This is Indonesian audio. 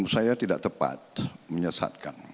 saya tidak tepat menyesatkan